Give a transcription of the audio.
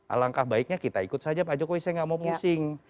alangkah baiknya kita ikut saja pak jokowi saya nggak mau pusing